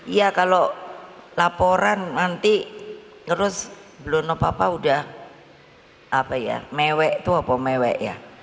iya kalau laporan nanti terus belum apa apa udah apa ya mewek itu apa mewek ya